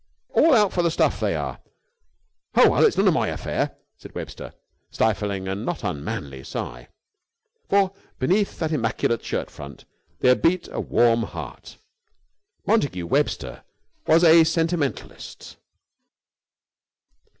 All out for the stuff, they are! Oh, well, it's none of my affair," said Webster, stifling a not unmanly sigh. For beneath that immaculate shirt front there beat a warm heart. Montagu Webster was a sentimentalist.